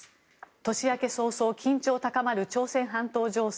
年明け早々、緊張高まる朝鮮半島情勢。